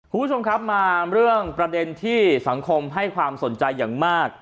คุณผู้ชมครับมาเรื่องประเด็นที่สังคมให้ความสนใจอย่างมาก